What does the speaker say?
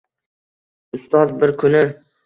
Ustoz bir kuni: